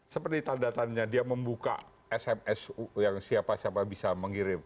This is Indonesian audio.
seperti tanda tandanya dia membuka smsu yang siapa siapa bisa mengirim